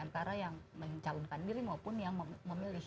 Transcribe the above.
antara yang mencalonkan diri maupun yang memilih